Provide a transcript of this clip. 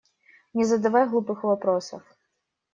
Не задавай глупых вопросов!